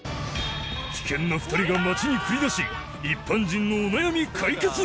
危険な２人が街に繰り出し一般人のお悩み解決